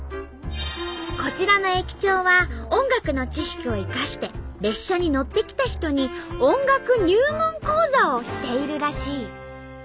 こちらの駅長は音楽の知識を生かして列車に乗ってきた人に「音楽入門講座」をしているらしい。